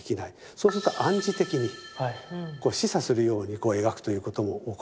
そうすると暗示的に示唆するように描くということも起こる。